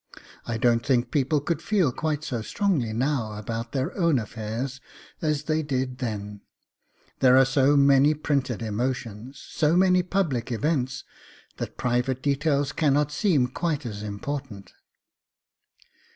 I don't think people could feel quite so strongly now about their own affairs as they did then; there are so many printed emotions, so many public events, that private details cannot seem quite as important.